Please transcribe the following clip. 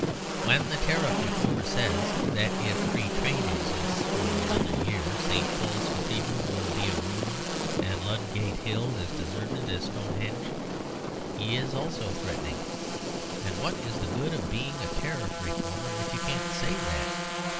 When the Tariff Reformer says that if Free Trade exists for another year St. Paul's Cathedral will be a ruin and Ludgate Hill as deserted as Stonehenge, he is also threatening. And what is the good of being a Tariff Reformer if you can't say that?